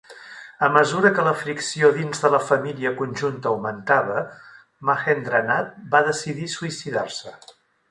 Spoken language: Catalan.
A mesura que la fricció dins de la família conjunta augmentava, Mahendranath va decidir suïcidar-se.